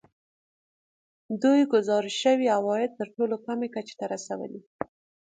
دوی ګزارش شوي عواید تر ټولو کمې کچې ته رسولي